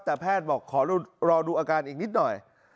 แต่แพทย์บอกขอรอดูอาการอีกนิดหน่อย